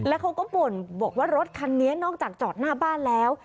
แล้วเขาก็บ่นบอกว่ารถคันนี้นอกจากจอดหน้าบ้านแล้ว